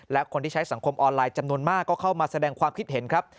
และคนที่ใช้สังคมออนไลน์จำนวนมากก็เข้ามาแสดงความคิดเห็นครับ